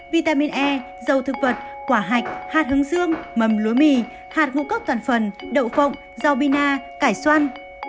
vitamin e dầu thực vật quả hạch hạt hướng dương mầm lúa mì hạt ngũ cốc toàn phần đậu phộng rau bina cải xoăn